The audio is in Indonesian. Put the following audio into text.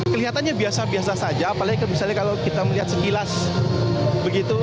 kelihatannya biasa biasa saja apalagi misalnya kalau kita melihat sekilas begitu